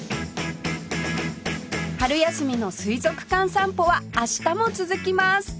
春休みの水族館散歩は明日も続きます